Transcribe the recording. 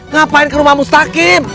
ngapain ke rumah mustaqim